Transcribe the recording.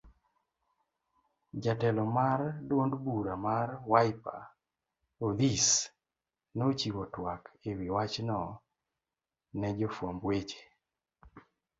Jatelo mar duond bura mar Wiper, Odhis nochiwo twak ewi wachno ne jofuamb weche.